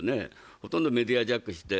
ほとんどメディアジャックして。